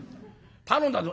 頼んだぞ」。